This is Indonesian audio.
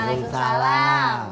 tunggu tunggu tunggu tunggu